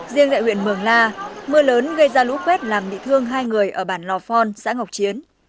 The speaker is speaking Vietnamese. riêng tại huyện mường la mưa lớn gây ra lũ quét làm bị thương hai người ở bản lò phon xã ngọc chiến